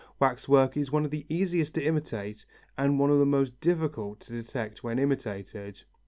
Wax work is one of the easiest to imitate and one of the most difficult to detect when imitated.